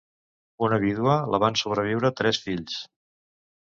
Una vídua, la van sobreviure tres fills.